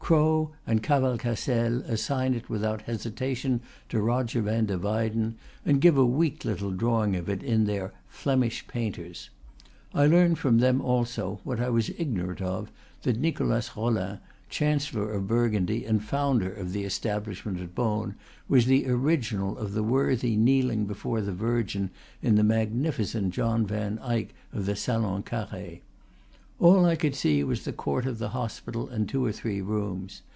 Crowe and Cavalcaselle assign it without hesitation to Roger van der Weyden, and give a weak little drawing of it in their "Flemish Painters." I learn from them also what I was ignorant of that Nicholas Ronin, Chan cellor of Burgundy and founder of the establishment at Beaune, was the original of the worthy kneeling before the Virgin, in the magnificent John van Eyck of the Salon Carre. All I could see was the court of the hospital and two or three rooms.